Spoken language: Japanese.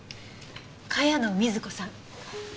茅野瑞子さん。